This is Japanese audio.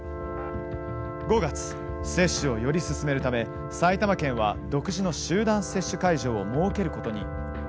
５月、接種をより進めるため埼玉県は独自の集団接種会場を設けることに。